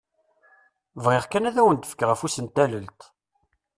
Bɣiɣ kan ad awen-d-fkeɣ afus n tallalt!